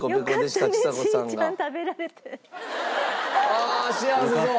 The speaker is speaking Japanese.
ああ幸せそう！